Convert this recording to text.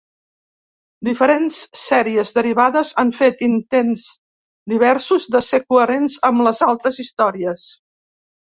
Diferents sèries derivades han fet intents diversos de ser coherents amb les altres històries.